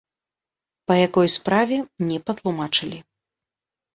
Па якой справе, не патлумачылі.